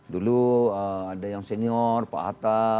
dulu ada yang senior pak hatta